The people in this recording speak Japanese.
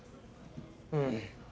うん。